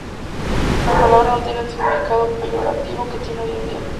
La palabra no tenía el significado peyorativo que tiene hoy día.